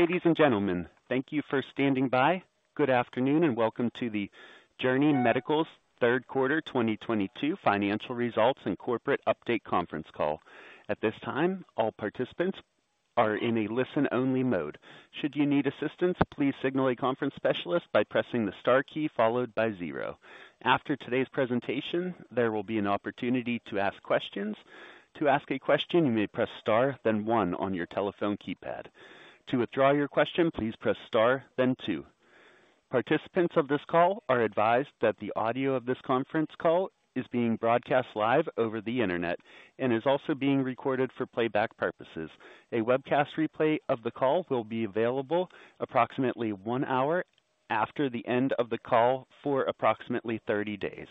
Ladies and gentlemen, thank you for standing by. Good afternoon, and welcome to Journey Medical's Third Quarter 2022 Financial Results and Corporate Update Conference Call. At this time, all participants are in a listen-only mode. Should you need assistance, please signal a conference specialist by pressing the star key followed by zero. After today's presentation, there will be an opportunity to ask questions. To ask a question, you may press star then one on your telephone keypad. To withdraw your question, please press star then two. Participants of this call are advised that the audio of this conference call is being broadcast live over the Internet and is also being recorded for playback purposes. A webcast replay of the call will be available approximately one hour after the end of the call for approximately 30 days.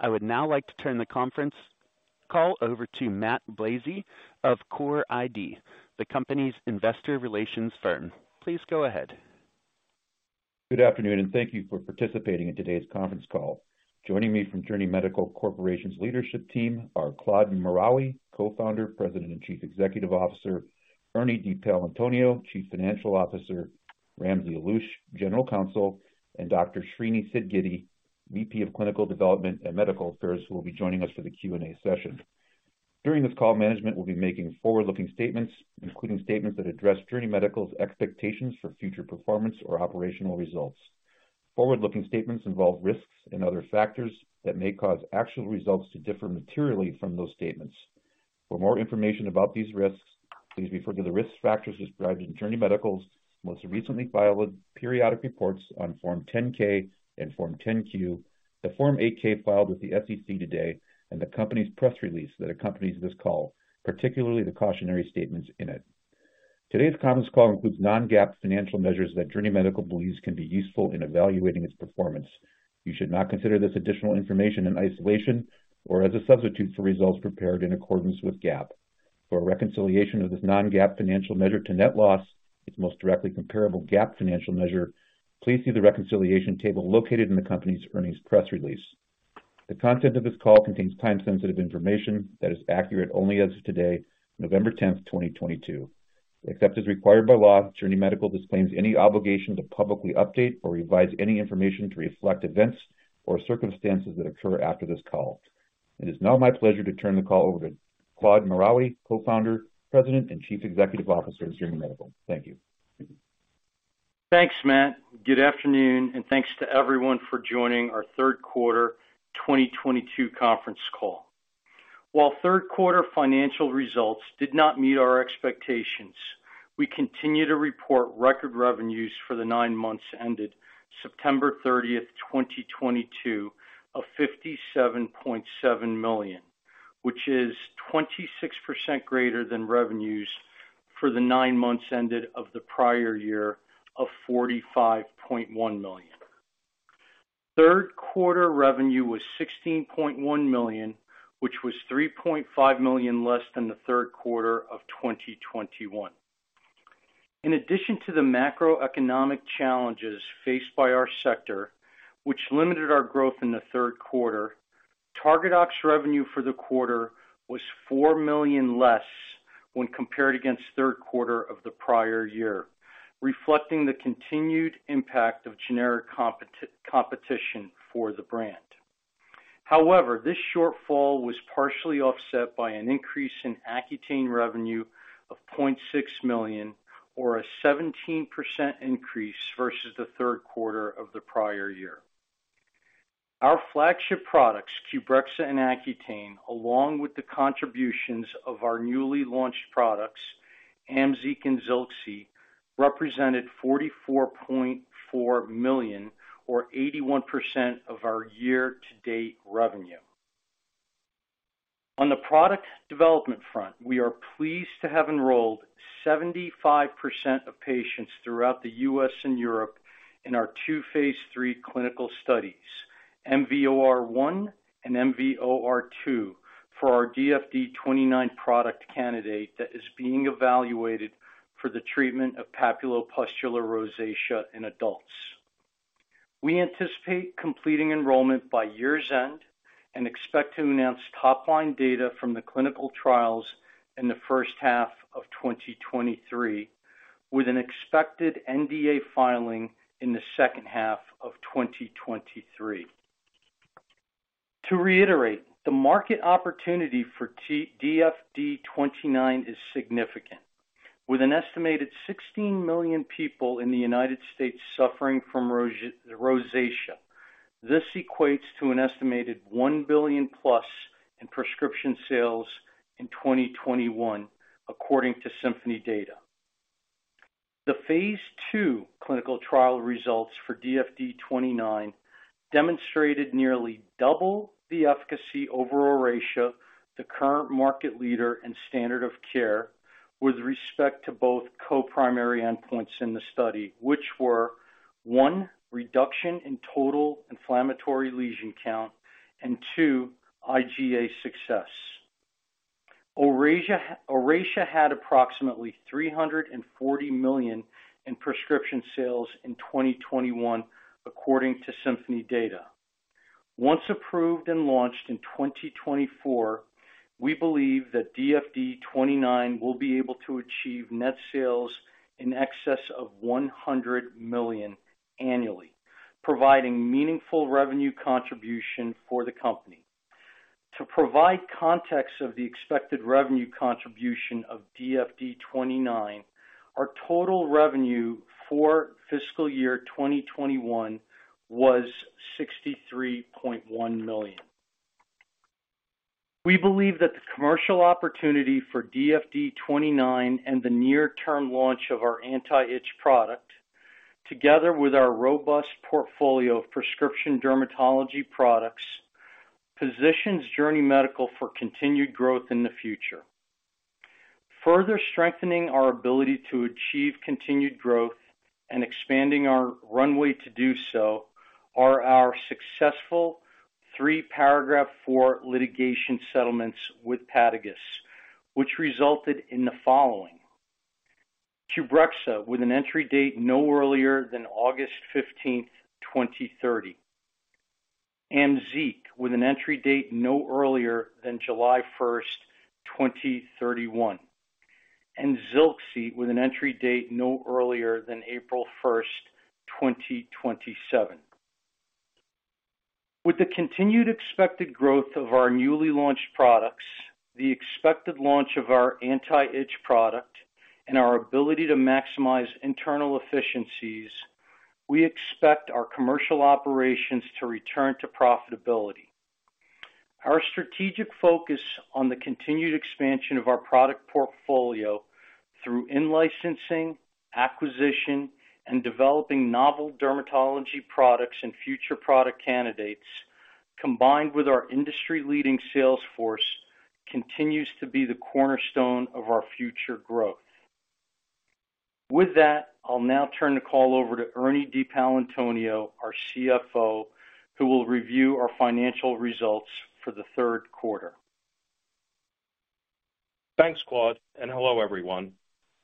I would now like to turn the conference call over to Matt Blazei of CORE IR, The Company's Investor Relations Firm. Please go ahead. Good afternoon, and thank you for participating in today's conference call. Joining me from Journey Medical Corporation's leadership team are Claude Maraoui, Co-founder, President, and Chief Executive Officer, Ernie De Paolantonio, Chief Financial Officer, Ramsey Alloush, General Counsel, and Dr. Srini Sidgiddi, VP of Clinical Development and Medical Affairs, who will be joining us for the Q&A session. During this call, management will be making forward-looking statements, including statements that address Journey Medical's expectations for future performance or operational results. Forward-looking statements involve risks and other factors that may cause actual results to differ materially from those statements. For more information about these risks, please refer to the risk factors described in Journey Medical's most recently filed periodic reports on Form 10-K and Form 10-Q, the Form 8-K filed with the SEC today, and the company's press release that accompanies this call, particularly the cautionary statements in it. Today's conference call includes non-GAAP financial measures that Journey Medical believes can be useful in evaluating its performance. You should not consider this additional information in isolation or as a substitute for results prepared in accordance with GAAP. For a reconciliation of this non-GAAP financial measure to net loss, its most directly comparable GAAP financial measure, please see the reconciliation table located in the company's earnings press release. The content of this call contains time-sensitive information that is accurate only as of today, November 10th, 2022. Except as required by law, Journey Medical disclaims any obligation to publicly update or revise any information to reflect events or circumstances that occur after this call. It is now my pleasure to turn the call over to Claude Maraoui, Co-founder, President, and Chief Executive Officer of Journey Medical. Thank you. Thanks, Matt. Good afternoon, and thanks to everyone for joining our third quarter 2022 conference call. While third quarter financial results did not meet our expectations, we continue to report record revenues for the nine months ended September 30th, 2022 of $57.7 million, which is 26% greater than revenues for the nine months ended of the prior year of $45.1 million. Third quarter revenue was $16.1 million, which was $3.5 million less than the third quarter of 2021. In addition to the macroeconomic challenges faced by our sector, which limited our growth in the third quarter, Targadox revenue for the quarter was $4 million less when compared against third quarter of the prior year, reflecting the continued impact of generic competition for the brand. However, this shortfall was partially offset by an increase in Accutane revenue of $0.6 million or a 17% increase versus the third quarter of the prior year. Our flagship products, Qbrexza and Accutane, along with the contributions of our newly launched products, AMZEEQ and ZILXI, represented $44.4 million or 81% of our year-to-date revenue. On the product development front, we are pleased to have enrolled 75% of patients throughout the U.S. and Europe in our two phase III clinical studies, MVOR-1 and MVOR-2, for our DFD-29 product candidate that is being evaluated for the treatment of papulopustular rosacea in adults. We anticipate completing enrollment by year's end and expect to announce top-line data from the clinical trials in the first half of 2023, with an expected NDA filing in the second half of 2023. To reiterate, the market opportunity for DFD-29 is significant, with an estimated 16 million people in the United States suffering from rosacea. This equates to an estimated $1+ billion in prescription sales in 2021, according to Symphony data. The phase II clinical trial results for DFD-29 demonstrated nearly double the efficacy over Oracea, the current market leader in standard of care, with respect to both co-primary endpoints in the study, which were, one, reduction in total inflammatory lesion count, and two, IGA success. Oracea had approximately $340 million in prescription sales in 2021, according to Symphony data. Once approved and launched in 2024, we believe that DFD-29 will be able to achieve net sales in excess of $100 million annually, providing meaningful revenue contribution for the company. To provide context of the expected revenue contribution of DFD-29, our total revenue for fiscal year 2021 was $63.1 million. We believe that the commercial opportunity for DFD-29 and the near term launch of our anti-itch product, together with our robust portfolio of prescription dermatology products, positions Journey Medical for continued growth in the future. Further strengthening our ability to achieve continued growth and expanding our runway to do so are our successful three Paragraph IV litigation settlements with Padagis, which resulted in the following. Qbrexza, with an entry date no earlier than August 15th, 2030. AMZEEQ, with an entry date no earlier than July 1st, 2031. And ZILXI, with an entry date no earlier than April 1st, 2027. With the continued expected growth of our newly launched products, the expected launch of our anti-itch product and our ability to maximize internal efficiencies, we expect our commercial operations to return to profitability. Our strategic focus on the continued expansion of our product portfolio through in-licensing, acquisition and developing novel dermatology products and future product candidates, combined with our industry leading sales force, continues to be the cornerstone of our future growth. With that, I'll now turn the call over to Ernie De Paolantonio, our CFO, who will review our financial results for the third quarter. Thanks, Claude, and hello everyone.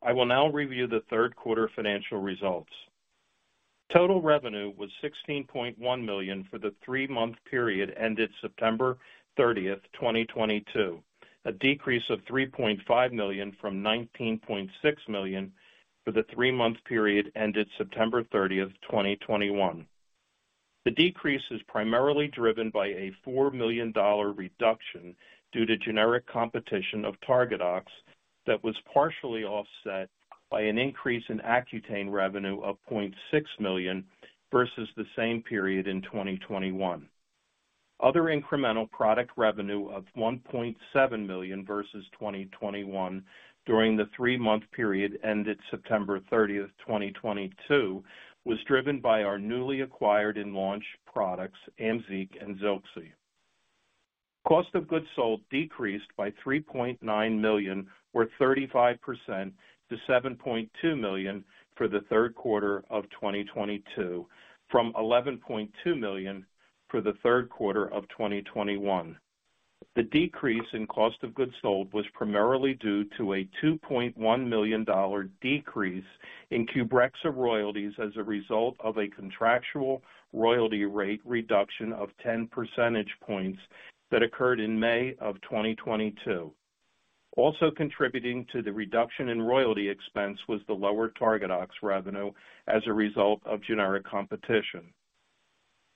I will now review the third quarter financial results. Total revenue was $16.1 million for the three-month period ended September 30th, 2022. A decrease of $3.5 million from $19.6 million for the three-month period ended September 30th, 2021. The decrease is primarily driven by a $4 million reduction due to generic competition of Targadox that was partially offset by an increase in Accutane revenue of $0.6 million versus the same period in 2021. Other incremental product revenue of $1.7 million versus 2021 during the three-month period ended September 30th, 2022, was driven by our newly acquired and launched products, AMZEEQ and ZILXI. Cost of goods sold decreased by $3.9 million, or 35% to $7.2 million for the third quarter of 2022 from $11.2 million for the third quarter of 2021. The decrease in cost of goods sold was primarily due to a $2.1 million decrease in Qbrexza royalties as a result of a contractual royalty rate reduction of 10 percentage points that occurred in May of 2022. Also contributing to the reduction in royalty expense was the lower Targadox revenue as a result of generic competition.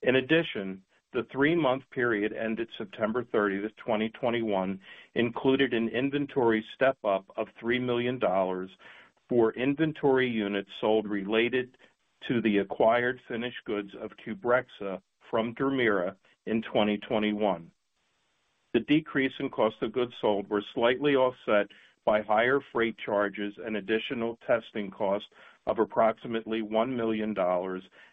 In addition, the three-month period ended September 30th, 2021 included an inventory step up of $3 million for inventory units sold related to the acquired finished goods of Qbrexza from Dermira in 2021. The decrease in cost of goods sold were slightly offset by higher freight charges and additional testing costs of approximately $1 million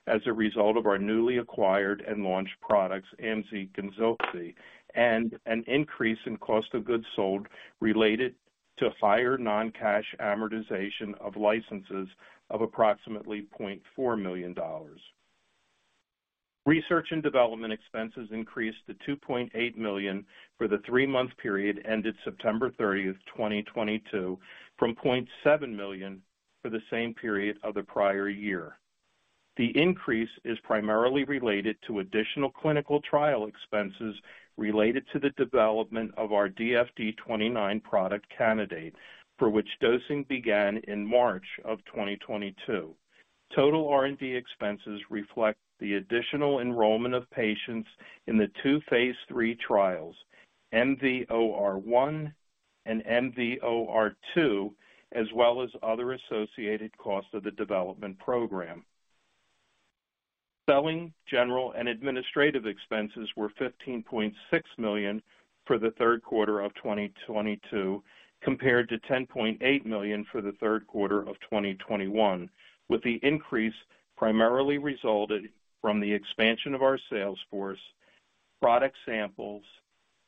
as a result of our newly acquired and launched products, AMZEEQ and ZILXI, and an increase in cost of goods sold related to higher non-cash amortization of licenses of approximately $0.4 million. Research and development expenses increased to $2.8 million for the three-month period ended September 30th, 2022, from $0.7 million for the same period of the prior year. The increase is primarily related to additional clinical trial expenses related to the development of our DFD-29 product candidate, for which dosing began in March 2022. Total R&D expenses reflect the additional enrollment of patients in the two phase III trials, MVOR-1 and MVOR-2, as well as other associated costs of the development program. Selling, general and administrative expenses were $15.6 million for the third quarter of 2022, compared to $10.8 million for the third quarter of 2021, with the increase primarily resulted from the expansion of our sales force, product samples,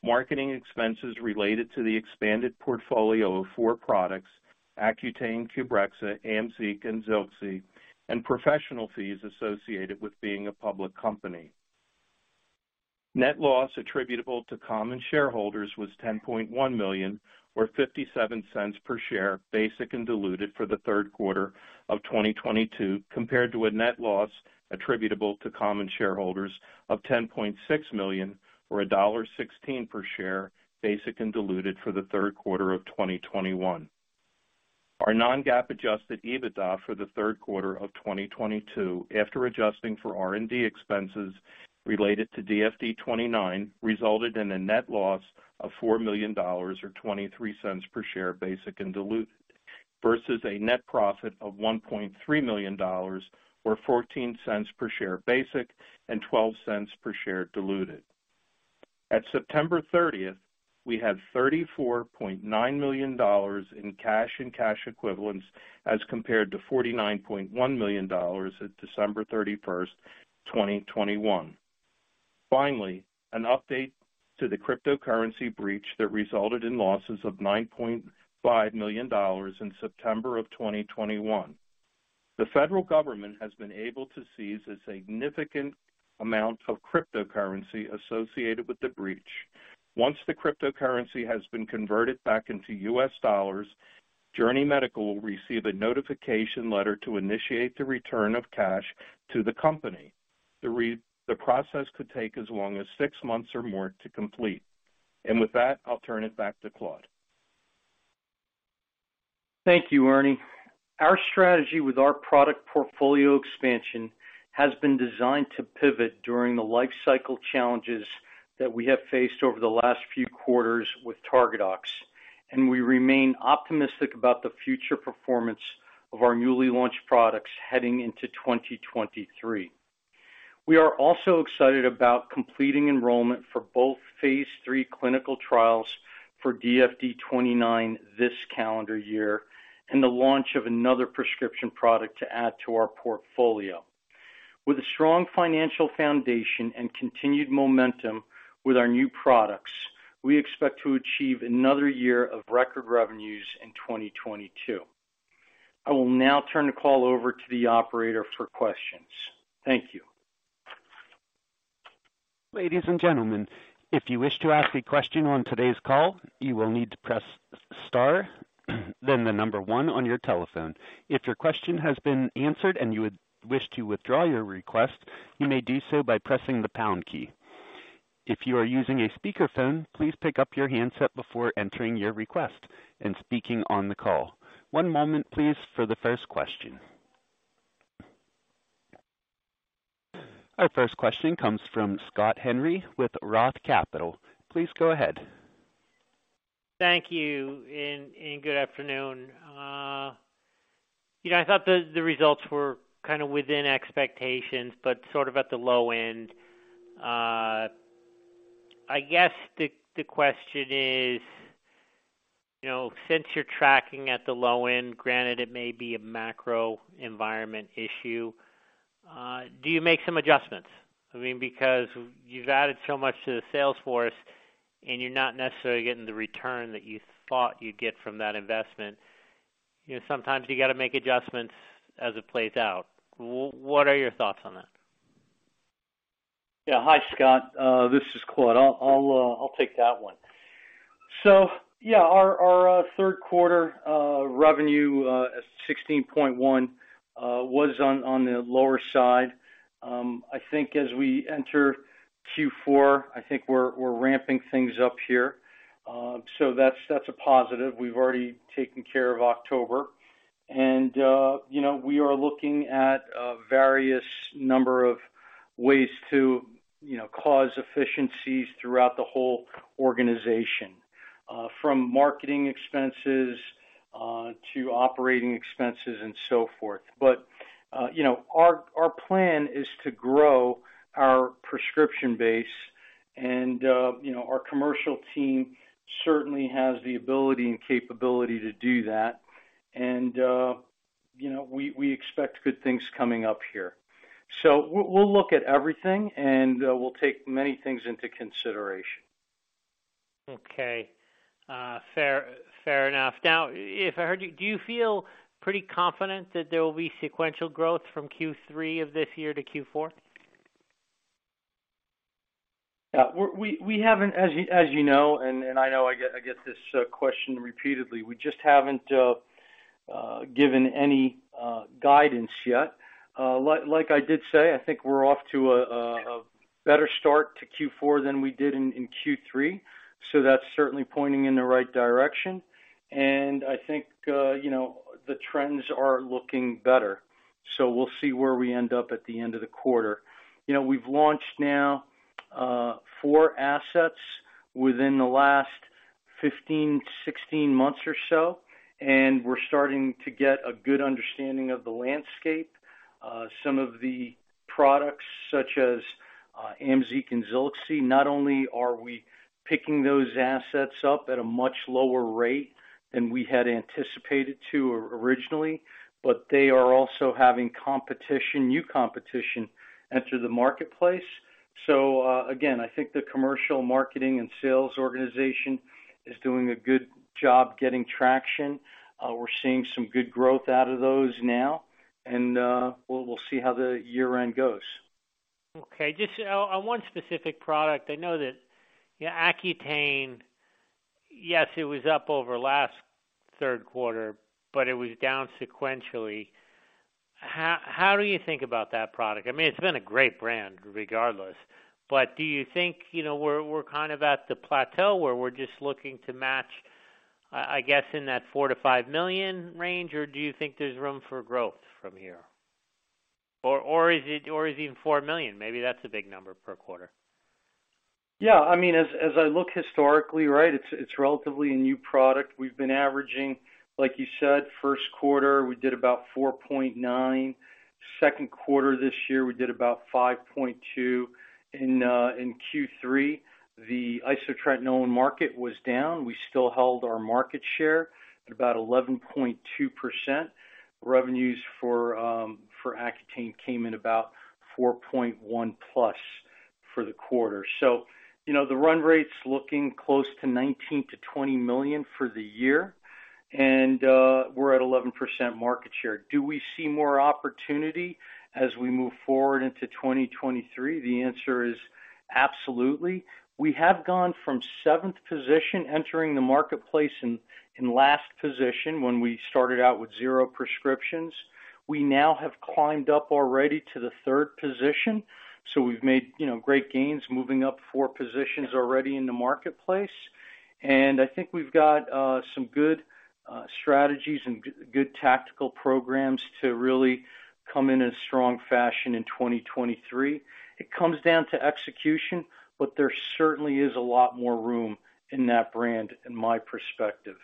marketing expenses related to the expanded portfolio of four products, Accutane, Qbrexza, AMZEEQ and ZILXI, and professional fees associated with being a public company. Net loss attributable to common shareholders was $10.1 million or $0.57 per share, basic and diluted for the third quarter of 2022, compared to a net loss attributable to common shareholders of $10.6 million or $1.16 per share, basic and diluted for the third quarter of 2021. Our non-GAAP adjusted EBITDA for the third quarter of 2022 after adjusting for R&D expenses related to DFD-29, resulted in a net loss of $4 million or $0.23 per share, basic and diluted, versus a net profit of $1.3 million or $0.14 per share basic and $0.12 per share diluted. At September 30th, we had $34.9 million in cash and cash equivalents as compared to $49.1 million at December 31st, 2021. Finally, an update to the cryptocurrency breach that resulted in losses of $9.5 million in September 2021. The federal government has been able to seize a significant amount of cryptocurrency associated with the breach. Once the cryptocurrency has been converted back into U.S. dollars, Journey Medical will receive a notification letter to initiate the return of cash to the company. The process could take as long as six months or more to complete. With that, I'll turn it back to Claude. Thank you, Ernie. Our strategy with our product portfolio expansion has been designed to pivot during the lifecycle challenges that we have faced over the last few quarters with Targadox, and we remain optimistic about the future performance of our newly launched products heading into 2023. We are also excited about completing enrollment for both phase III clinical trials for DFD-29 this calendar year and the launch of another prescription product to add to our portfolio. With a strong financial foundation and continued momentum with our new products, we expect to achieve another year of record revenues in 2022. I will now turn the call over to the operator for questions. Thank you. Ladies and gentlemen, if you wish to ask a question on today's call, you will need to press star, then the number one on your telephone. If your question has been answered and you would wish to withdraw your request, you may do so by pressing the pound key. If you are using a speakerphone, please pick up your handset before entering your request and speaking on the call. One moment please for the first question. Our first question comes from Scott Henry with Roth Capital. Please go ahead. Thank you, and good afternoon. You know, I thought the results were kind of within expectations, but sort of at the low end. I guess the question is, you know, since you're tracking at the low end, granted it may be a macro environment issue, do you make some adjustments? I mean, because you've added so much to the sales force and you're not necessarily getting the return that you thought you'd get from that investment. You know, sometimes you got to make adjustments as it plays out. What are your thoughts on that? Yeah. Hi, Scott. This is Claude. I'll take that one. Yeah, our third quarter revenue at $16.1 million was on the lower side. I think as we enter Q4, I think we're ramping things up here. That's a positive. We've already taken care of October. You know, we are looking at a variety of ways to, you know, create efficiencies throughout the whole organization, from marketing expenses to operating expenses and so forth. You know, our plan is to grow our prescription base and, you know, our commercial team certainly has the ability and capability to do that. You know, we expect good things coming up here. We'll look at everything, and we'll take many things into consideration. Okay. Fair enough. Now, if I heard you, do you feel pretty confident that there will be sequential growth from Q3 of this year to Q4? Yeah. We haven't, as you know, and I know I get this question repeatedly. We just haven't given any guidance yet. Like I did say, I think we're off to a better start to Q4 than we did in Q3, so that's certainly pointing in the right direction. I think, you know, the trends are looking better. We'll see where we end up at the end of the quarter. You know, we've launched now four assets within the last 15-16 months or so, and we're starting to get a good understanding of the landscape. Some of the products such as AMZEEQ and ZILXI, not only are we picking those assets up at a much lower rate than we had anticipated to originally, but they are also having competition, new competition enter the marketplace. Again, I think the commercial marketing and sales organization is doing a good job getting traction. We're seeing some good growth out of those now, and we'll see how the year-end goes. Just on one specific product. I know that, you know, Accutane. Yes, it was up year-over-year last third quarter, but it was down sequentially. How do you think about that product? I mean, it's been a great brand regardless. Do you think, you know, we're kind of at the plateau where we're just looking to match, I guess, in that $4 million-$5 million range? Do you think there's room for growth from here? Is even $4 million, maybe that's a big number per quarter? Yeah. I mean, as I look historically, right, it's relatively a new product. We've been averaging, like you said, first quarter, we did about $4.9 million. Second quarter this year, we did about $5.2 million. In Q3, the isotretinoin market was down. We still held our market share at about 11.2%. Revenues for Accutane came in about $4.1+ million for the quarter. You know, the run rate's looking close to $19 million-$20 million for the year, and we're at 11% market share. Do we see more opportunity as we move forward into 2023? The answer is absolutely. We have gone from seventh position entering the marketplace, in last position when we started out with zero prescriptions. We now have climbed up already to the third position, so we've made, you know, great gains moving up four positions already in the marketplace. I think we've got some good strategies and good tactical programs to really come in a strong fashion in 2023. It comes down to execution, but there certainly is a lot more room in that brand in my perspective.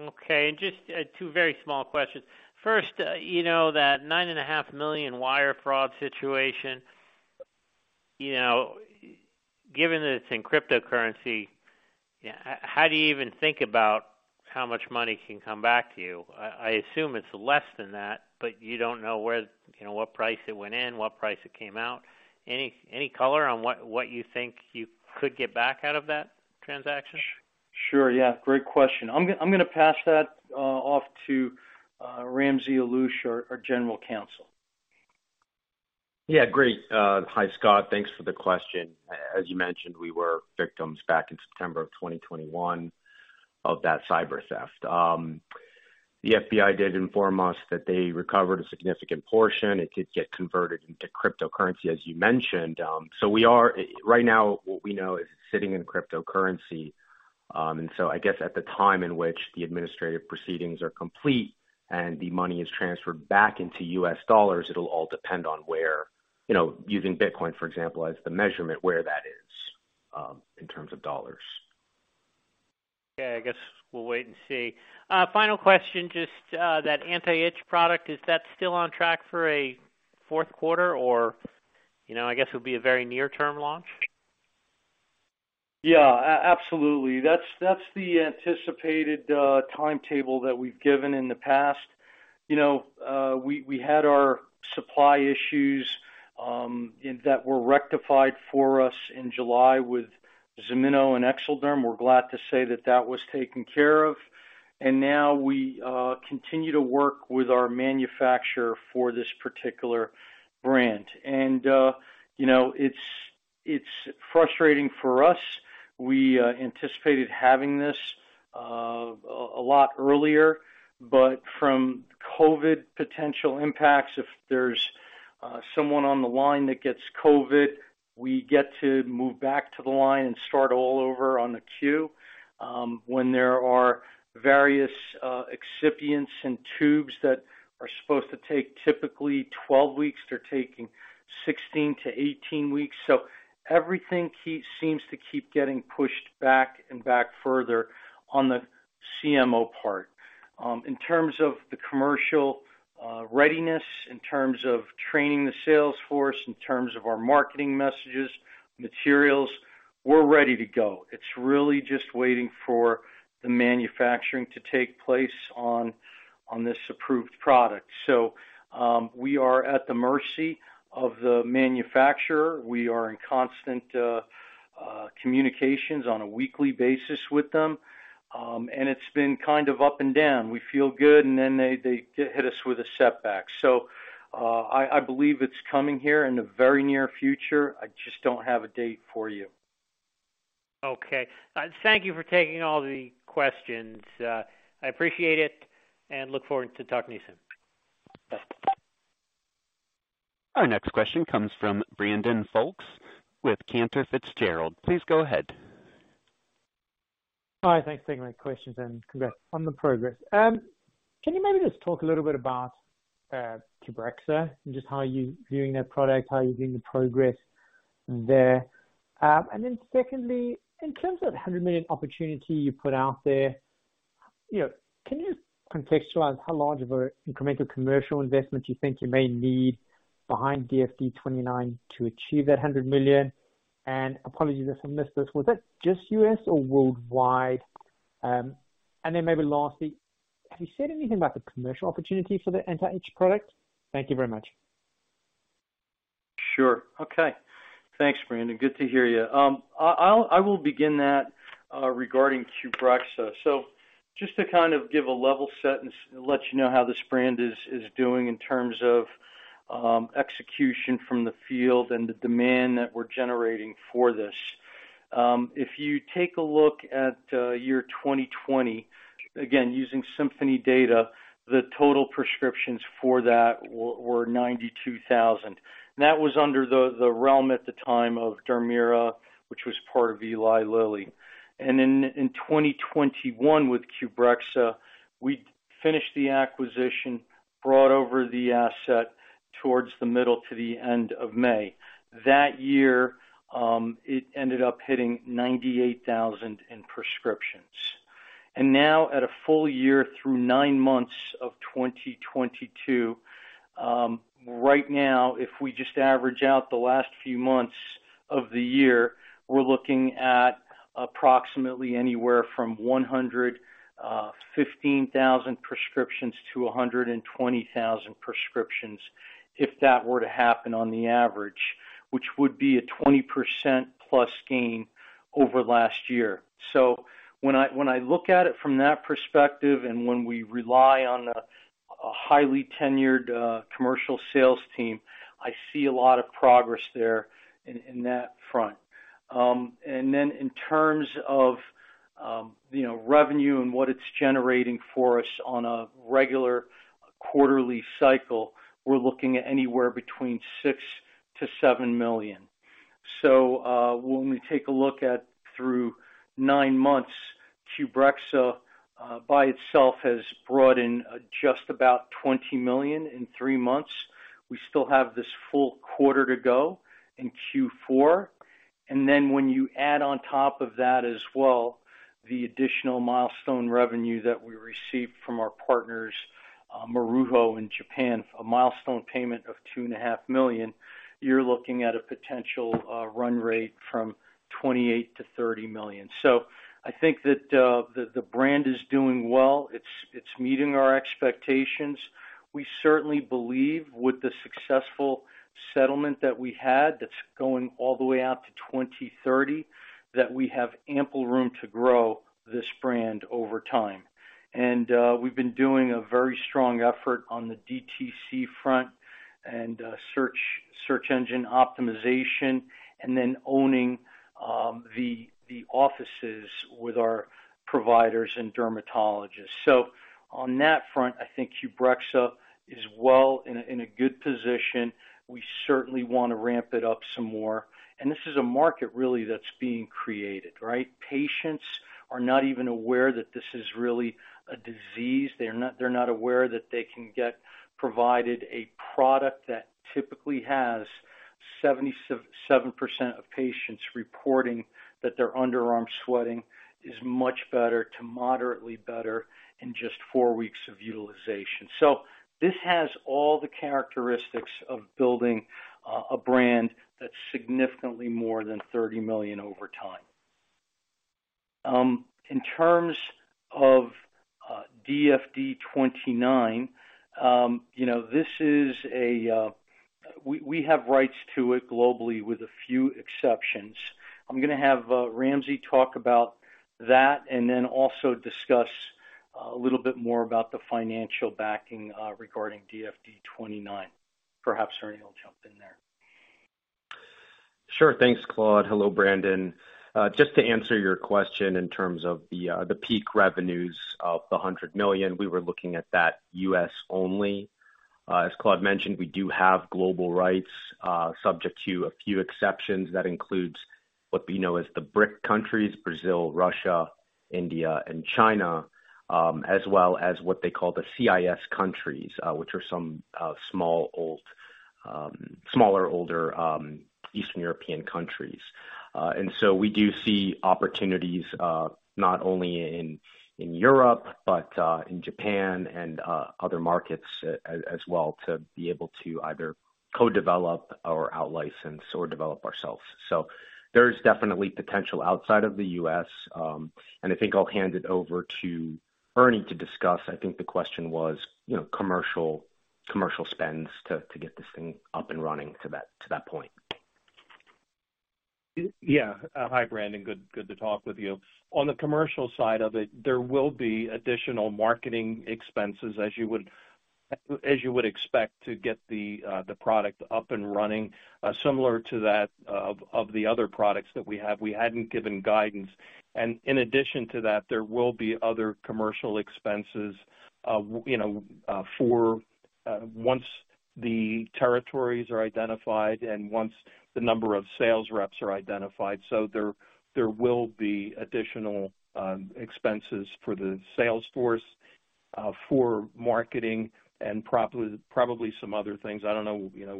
Okay. Just two very small questions. First, you know, that $9.5 million wire fraud situation, you know, given that it's in cryptocurrency, how do you even think about how much money can come back to you? I assume it's less than that, but you don't know where, you know, what price it went in, what price it came out. Any color on what you think you could get back out of that transaction? Sure. Yeah, great question. I'm going to pass that off to Ramsey Alloush, our General Counsel. Yeah, great. Hi, Scott. Thanks for the question. As you mentioned, we were victims back in September 2021 of that cyber theft. The FBI did inform us that they recovered a significant portion. It did get converted into cryptocurrency, as you mentioned. Right now, what we know is it's sitting in cryptocurrency. I guess at the time in which the administrative proceedings are complete and the money is transferred back into U.S. dollars, it'll all depend on where, you know, using Bitcoin, for example, as the measurement, where that is in terms of dollars. Okay. I guess we'll wait and see. Final question, just that anti-itch product, is that still on track for a fourth quarter or, you know, I guess it would be a very near-term launch? Yeah, absolutely. That's the anticipated timetable that we've given in the past. You know, we had our supply issues and that were rectified for us in July with Ximino and Exelderm. We're glad to say that that was taken care of. Now we continue to work with our manufacturer for this particular brand. You know, it's frustrating for us. We anticipated having this a lot earlier, but from COVID potential impacts, if there's someone on the line that gets COVID, we get to move back to the line and start all over on the queue. When there are various excipients in tubes that are supposed to take typically 12 weeks, they're taking 16-18 weeks. Everything seems to keep getting pushed back and back further on the CMO part. In terms of the commercial readiness, in terms of training the sales force, in terms of our marketing messages, materials, we're ready to go. It's really just waiting for the manufacturing to take place on this approved product. We are at the mercy of the manufacturer. We are in constant communications on a weekly basis with them. It's been kind of up and down. We feel good, and then they hit us with a setback. I believe it's coming here in the very near future. I just don't have a date for you. Okay. Thank you for taking all the questions. I appreciate it and look forward to talking to you soon. Our next question comes from Brandon Folkes with Cantor Fitzgerald. Please go ahead. Hi. Thanks for taking my questions, and congrats on the progress. Can you maybe just talk a little bit about Qbrexza and just how are you viewing that product, how you're viewing the progress there? Secondly, in terms of the $100 million opportunity you put out there, you know, can you contextualize how large of a incremental commercial investment you think you may need behind DFD-29 to achieve that $100 million? Apologies if I missed this, was that just U.S. or worldwide? Then maybe lastly, have you said anything about the commercial opportunity for the anti-itch product? Thank you very much. Sure. Okay. Thanks, Brandon. Good to hear you. I will begin that regarding Qbrexza. Just to kind of give a level set and let you know how this brand is doing in terms of execution from the field and the demand that we're generating for this. If you take a look at year 2020, again, using Symphony data, the total prescriptions for that were 92,000. That was under the realm at the time of Dermira, which was part of Eli Lilly. In 2021 with Qbrexza, we finished the acquisition, brought over the asset towards the middle to the end of May that year, it ended up hitting 98,000 in prescriptions. Now at a full year through nine months of 2022, right now, if we just average out the last few months of the year, we're looking at approximately anywhere from 115,000 prescriptions to 120,000 prescriptions if that were to happen on the average, which would be a 20%+ gain over last year. When I look at it from that perspective, and when we rely on a highly tenured commercial sales team, I see a lot of progress there in that front. In terms of you know, revenue and what it's generating for us on a regular quarterly cycle, we're looking at anywhere between $6 million-$7 million. When we take a look at through nine months, Qbrexza by itself has brought in just about $20 million in three months. We still have this full quarter to go in Q4. Then when you add on top of that as well, the additional milestone revenue that we received from our partners, Maruho in Japan, a milestone payment of $2.5 million, you're looking at a potential run rate from $28 million-$30 million. I think that the brand is doing well. It's meeting our expectations. We certainly believe with the successful settlement that we had that's going all the way out to 2030, that we have ample room to grow this brand over time. We've been doing a very strong effort on the DTC front and search engine optimization, and then owning the offices with our providers and dermatologists. On that front, I think Qbrexza is well in a good position. We certainly wanna ramp it up some more. This is a market really that's being created, right? Patients are not even aware that this is really a disease. They're not aware that they can get provided a product that typically has 77% of patients reporting that their underarm sweating is much better to moderately better in just four weeks of utilization. This has all the characteristics of building a brand that's significantly more than $30 million over time. In terms of DFD-29, you know, this is a We have rights to it globally with a few exceptions. I'm going to have Ramsey talk about that and then also discuss a little bit more about the financial backing regarding DFD-29. Perhaps, Ernie, you'll jump in there. Sure. Thanks, Claude. Hello, Brandon. Just to answer your question in terms of the peak revenues of the $100 million, we were looking at that U.S. only. As Claude mentioned, we do have global rights, subject to a few exceptions. That includes what we know as the BRIC countries, Brazil, Russia, India, and China, as well as what they call the CIS countries, which are some smaller, older Eastern European countries. We do see opportunities, not only in Europe, but in Japan and other markets as well to be able to either co-develop or outlicense or develop ourselves. There's definitely potential outside of the U.S. I think I'll hand it over to Ernie to discuss. I think the question was, you know, commercial spends to get this thing up and running to that point. Yeah. Hi, Brandon. Good to talk with you. On the commercial side of it, there will be additional marketing expenses, as you would expect to get the product up and running, similar to that of the other products that we have. We hadn't given guidance. In addition to that, there will be other commercial expenses, you know, for once the territories are identified and once the number of sales reps are identified. There will be additional expenses for the sales force, for marketing and probably some other things. I don't know, you know,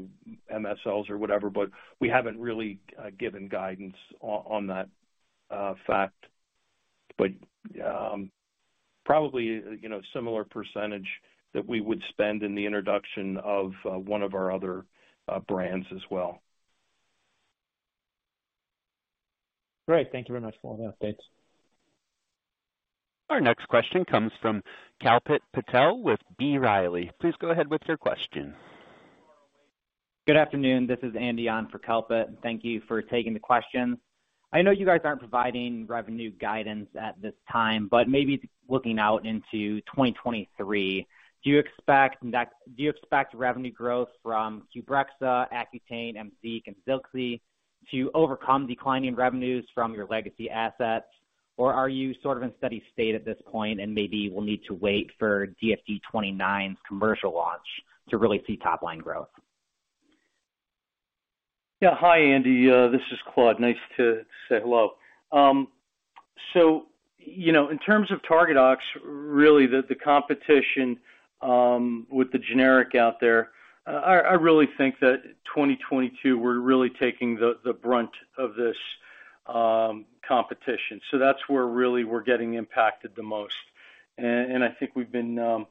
MSLs or whatever, but we haven't really given guidance on that fact. Probably, you know, similar percentage that we would spend in the introduction of one of our other brands as well. Great. Thank you very much for the updates. Our next question comes from Kalpit Patel with B. Riley. Please go ahead with your question. Good afternoon, this is Andy on for Kalpit. Thank you for taking the questions. I know you guys aren't providing revenue guidance at this time, but maybe looking out into 2023, do you expect revenue growth from Qbrexza, Accutane, AMZEEQ, and ZILXI to overcome declining revenues from your legacy assets? Or are you sort of in steady state at this point and maybe we'll need to wait for DFD-29's commercial launch to really see top line growth? Yeah. Hi, Andy. This is Claude. Nice to say hello. You know, in terms of Targadox, really the competition with the generic out there, I really think that 2022 we're really taking the brunt of this competition. That's where really we're getting impacted the most. I think we've been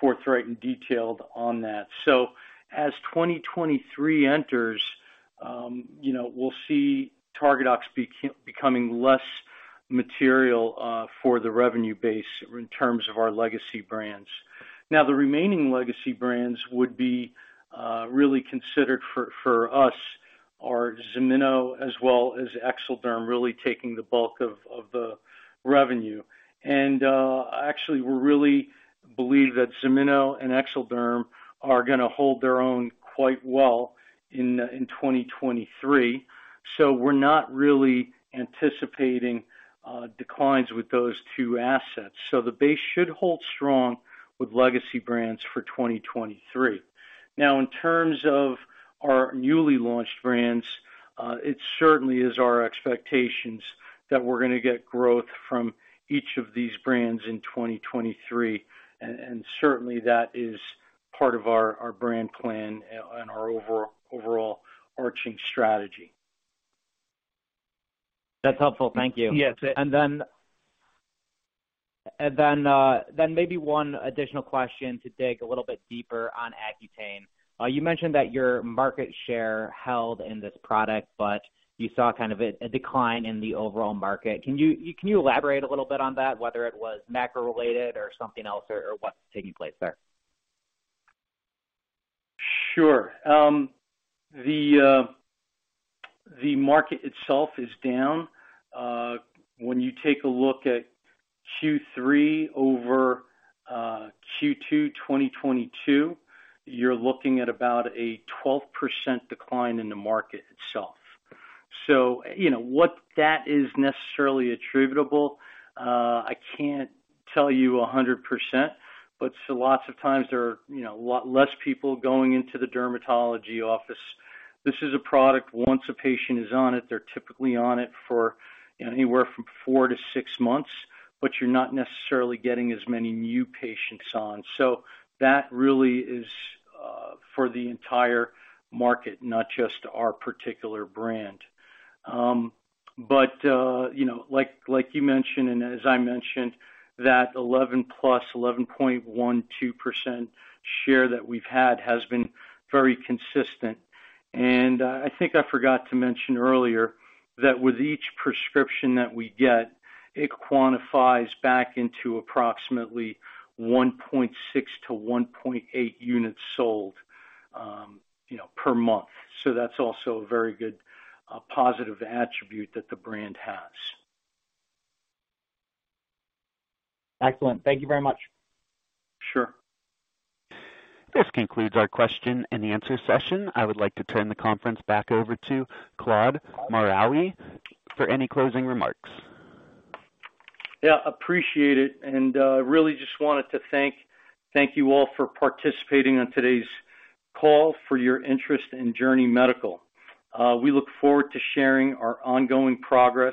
forthright and detailed on that. As 2023 enters, you know, we'll see Targadox becoming less material for the revenue base in terms of our legacy brands. Now, the remaining legacy brands would be really considered for us are Ximino as well as Exelderm really taking the bulk of the revenue. Actually we really believe that Ximino and Exelderm are going to hold their own quite well in 2023. We're not really anticipating declines with those two assets. The base should hold strong with legacy brands for 2023. Now in terms of our newly launched brands, it certainly is our expectations that we're going to get growth from each of these brands in 2023, and certainly that is part of our brand plan and our overall arching strategy. That's helpful. Thank you. Yes. Maybe one additional question to dig a little bit deeper on Accutane. You mentioned that your market share held in this product, but you saw kind of a decline in the overall market. Can you elaborate a little bit on that, whether it was macro-related or something else, or what's taking place there? Sure. The market itself is down. When you take a look at Q3 over Q2 2022, you're looking at about a 12% decline in the market itself. You know what that is necessarily attributable, I can't tell you 100%, but lots of times there are, you know, a lot less people going into the dermatology office. This is a product, once a patient is on it, they're typically on it for, you know, anywhere from four to six months, but you're not necessarily getting as many new patients on. That really is for the entire market, not just our particular brand. But, you know, like you mentioned, and as I mentioned, that 11.12% share that we've had has been very consistent. I think I forgot to mention earlier that with each prescription that we get, it quantifies back into approximately 1.6-1.8 units sold, you know, per month. That's also a very good positive attribute that the brand has. Excellent. Thank you very much. Sure. This concludes our question-and-answer session. I would like to turn the conference back over to Claude Maraoui for any closing remarks. Yeah, appreciate it, and really just wanted to thank you all for participating on today's call, for your interest in Journey Medical. We look forward to sharing our ongoing progress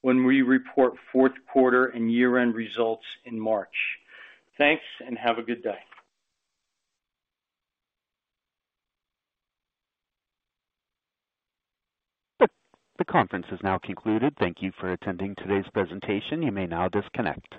when we report fourth quarter and year-end results in March. Thanks, and have a good day. The conference is now concluded. Thank you for attending today's presentation. You may now disconnect.